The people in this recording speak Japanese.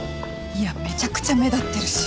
いやめちゃくちゃ目立ってるし